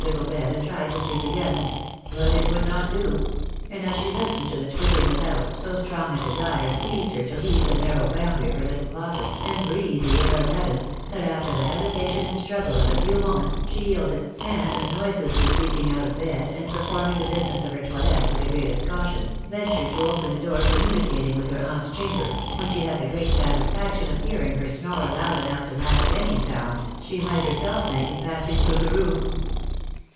little bed;, and tried to sleep again •$. but it weukfc not; da; audi as she listened to tile twittering without, so strong & desire seifeed her to leave the narrow boundary of her little closet; and breathe the afc> ofi heaven, that after* the: hesitation and strung} «£ a N 4 184 THE WIDOW BARNABY. performing the business of her toilet with the greatest caution, ventured to open the door communicating with her annt'i chamber, when she had the great satisfaction of hearing her snore loud enough to mask any sound she might herself make in passing through the room.